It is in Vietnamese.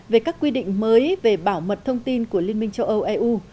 về các quy định mới về bảo mật thông tin của liên minh châu âu eu